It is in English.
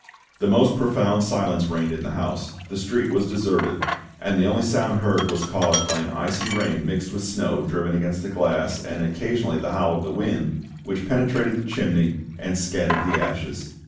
The most profound silence reigned in the house, the street was deserted, and the only sound heard was caused by an icy rain mixed with snow driven against the glass, and occasionally the howl of the wind, which penetrated the chimney and scattered the ashes.